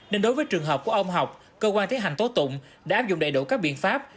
nên đối với trường hợp của ông học cơ quan thiết hành tố tụng đã áp dụng đầy đủ các biện pháp